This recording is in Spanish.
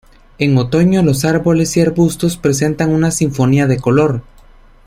En otoño los árboles y arbustos presentan una sinfonía de color.